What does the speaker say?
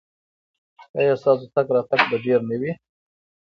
ایا ستاسو تګ راتګ به ډیر نه وي؟